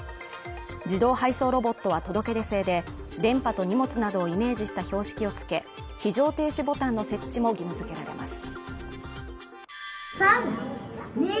自動配送ロボットは届け出制で電波と荷物などをイメージした標識をつけ非常停止ボタンの設置も義務づけられます